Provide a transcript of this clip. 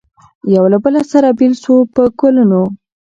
یو له بله سره بېل سو په کلونو